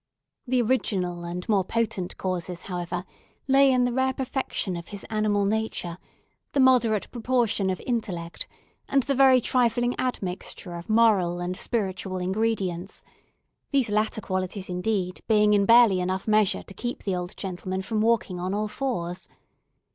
The original and more potent causes, however, lay in the rare perfection of his animal nature, the moderate proportion of intellect, and the very trifling admixture of moral and spiritual ingredients; these latter qualities, indeed, being in barely enough measure to keep the old gentleman from walking on all fours.